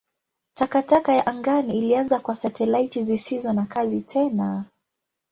Takataka ya angani ilianza kwa satelaiti zisizo na kazi tena.